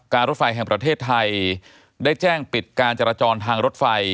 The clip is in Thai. รถไฟแห่งประเทศไทยได้แจ้งปิดการจราจรทางรถไฟ